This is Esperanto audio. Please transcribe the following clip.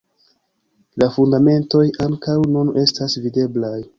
La fundamentoj ankaŭ nun estas videblaj.